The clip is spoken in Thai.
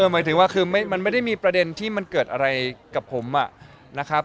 หมายถึงว่าคือมันไม่ได้มีประเด็นที่มันเกิดอะไรกับผมนะครับ